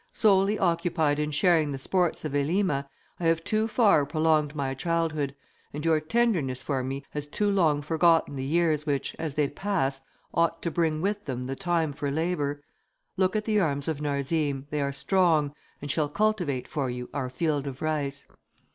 Solely occupied in sharing the sports of Elima, I have too far prolonged my childhood, and your tenderness for me has too long forgotten the years which, as they pass, ought to bring with them the time for labour. Look at the arms of Narzim, they are strong, and shall cultivate for you our field of rice."